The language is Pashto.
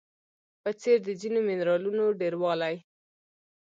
په څېر د ځینو منرالونو ډیروالی